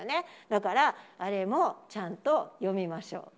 だから、あれもちゃんと読みましょう。